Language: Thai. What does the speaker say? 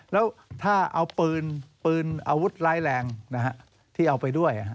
แล้วถ้าเอาปืนปืนอาวุธร้ายแรงที่เอาไปด้วย